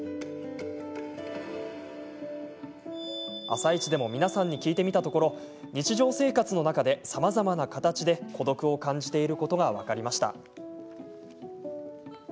「あさイチ」でも皆さんに聞いてみたところ日常生活の中で、さまざまな孤独を感じていることが分かりました。